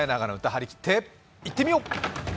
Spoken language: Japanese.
張り切っていってみよう。